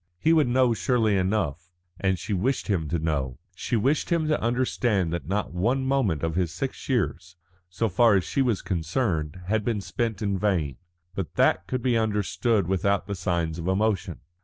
He would know surely enough, and she wished him to know; she wished him to understand that not one moment of his six years, so far as she was concerned, had been spent in vain. But that could be understood without the signs of emotion.